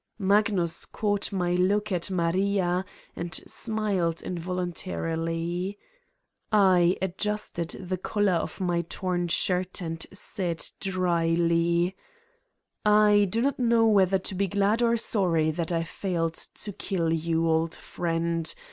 Magnus caught my look at Maria and smiled involuntarily. I adjusted the collar of my torn shirt and said dryly : "I do not know whether to be glad or sorry that I failed to kill you, old friend.